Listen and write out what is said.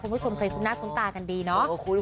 คุณผู้ชมเคยคุ้นหน้าคุ้นตากันดีเนาะ